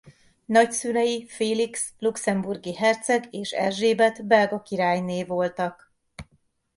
Nagyszülei Félix luxemburgi herceg és Erzsébet belga királyné voltak.